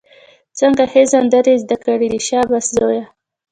څنګه ښې سندرې یې زده کړې دي، شابسي زویه!